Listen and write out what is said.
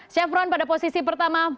chevron pada posisi pertama